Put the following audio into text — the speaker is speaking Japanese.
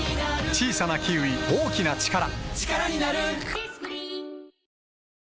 小さなキウイ、大きなチカラ